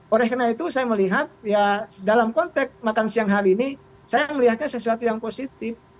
oleh karena itu saya melihat ya dalam konteks makan siang hari ini saya melihatnya sesuatu yang positif